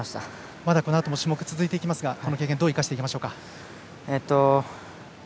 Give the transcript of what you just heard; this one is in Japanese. まだ、このあとも種目が続いていきますがこの経験をどう生かしていきましょうか。